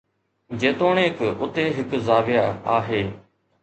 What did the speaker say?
جيتوڻيڪ اتي هڪ زاويه آهي.